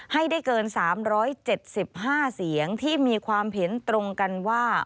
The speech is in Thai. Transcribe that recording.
ให้ได้เกิน๓๗๕เสียงที่มีความเห็นตรงกันว่า